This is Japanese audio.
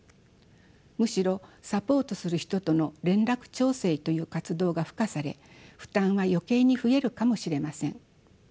むしろサポートする人との連絡調整という活動が付加され負担は余計に増えるかもしれません。